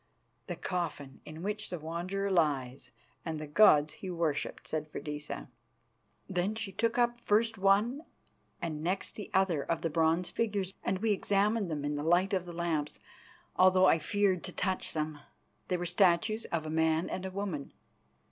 "The coffin in which the Wanderer lies and the gods he worshipped," said Freydisa. Then she took up first one and next the other of the bronze figures and we examined them in the light of the lamps, although I feared to touch them. They were statues of a man and a woman.